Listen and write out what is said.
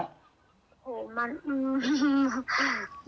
มันก็หลายงวดละค่ะพี่